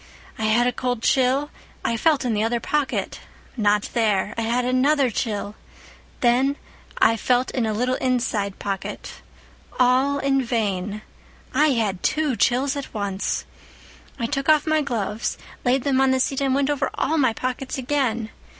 I had a cold chill. I felt in the other pocket. Not there. I had another chill. Then I felt in a little inside pocket. All in vain. I had two chills at once. "I took off my gloves, laid them on the seat, and went over all my pockets again.